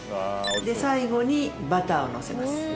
で最後にバターをのせます。